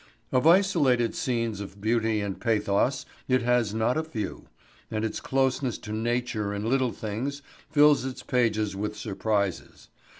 Of isolated scenes of beauty and pathos it has not a few, and its closeness to nature in little things fills its pages with surprises.